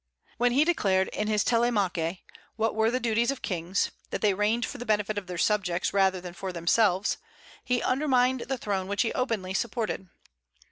When he declared in his "Télémaque" what were the duties of kings, that they reigned for the benefit of their subjects rather than for themselves, he undermined the throne which he openly supported.